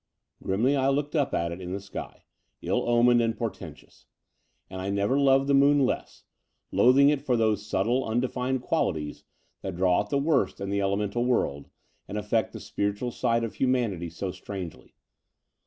Grimly I looked up at it in the sky, ill omened and portentous ; and I never loved the moon less, loathing it for those subtle imdefined qualities that draw out the worst in the elemental world, and affect the spiritual side of humanity so strangely.